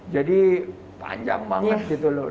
jadi panjang banget gitu loh